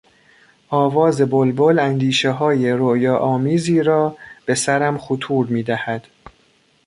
آواز بلبل اندیشههای رویاآمیزی را به سرم خطور میدهد.